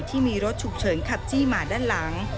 ที่มีรถฉุกเฉินขับจี้มาด้านหลัง